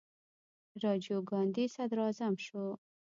راجیو ګاندي صدراعظم شو.